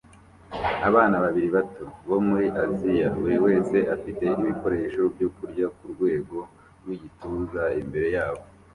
Abana babiri bato bo muri Aziya buri wese afite ibikoresho byokurya kurwego rwigituza imbere yabo